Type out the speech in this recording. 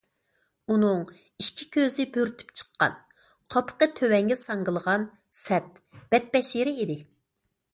ئۇنىڭ ئىككى كۆزى بۆرتۈپ چىققان، قاپىقى تۆۋەنگە ساڭگىلىغان سەت، بەتبەشىرە ئىدى.